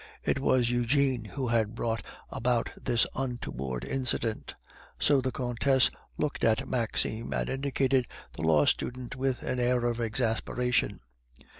It was Eugene who had brought about this untoward incident; so the Countess looked at Maxime and indicated the law student with an air of exasperation.